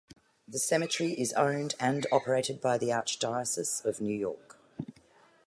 The cemetery is owned and operated by the Archdiocese of New York.